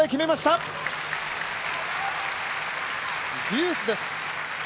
デュースです。